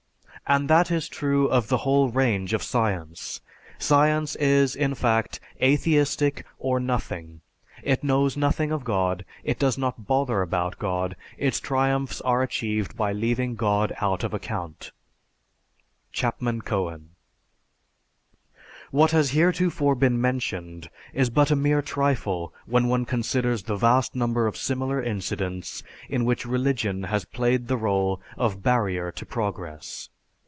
"And that is true of the whole range of science. Science is, in fact, atheistic or nothing. It knows nothing of God, it does not bother about God, its triumphs are achieved by leaving God out of account." (C. Cohen.) What has heretofore been mentioned is but a mere trifle when one considers the vast number of similar incidents in which religion has played the rôle of barrier to progress.